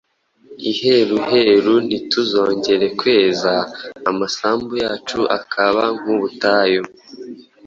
iheruheru ntituzongere kweza, amasambu yacu akaba nk’ubutayu.